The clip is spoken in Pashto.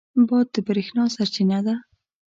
باد د برېښنا سرچینه ده.